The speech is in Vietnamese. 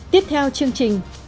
tiếp theo chương trình